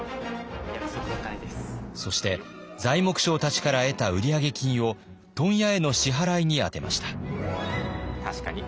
そして材木商たちから得た売上金を問屋への支払いに充てました。